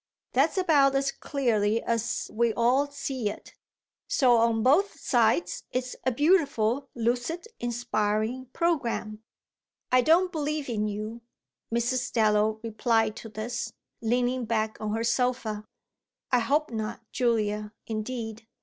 That's about as clearly as we all see it. So on both sides it's a beautiful, lucid, inspiring programme." "I don't believe in you," Mrs. Dallow replied to this, leaning back on her sofa. "I hope not, Julia, indeed!"